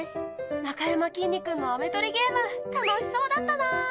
なかやまきんに君の飴取りゲーム、楽しそうだったな。